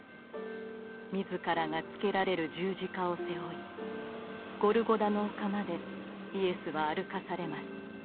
自らがつけられる十字架を背負いゴルゴダの丘までイエスは歩かされます。